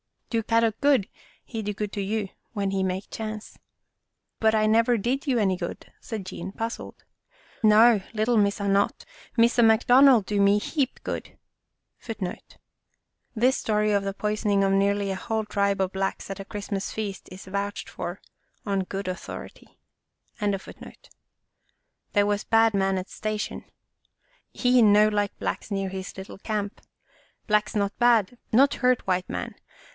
Do Kadok good, he do good to you when he make chance." " But I never did you any good," said Jean, puzzled. " No, little Missa not. Missa McDonald do me heap good. 1 There was bad man at Station. 1 This story of the poisoning of nearly a whole tribe of Blacks at a Christmas feast is vouched for on good authority. 96 Our Little Australian Cousin He no like Blacks near his cattle camp. Blacks not bad, not hurt white man.